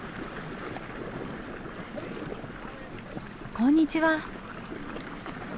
こんにちは。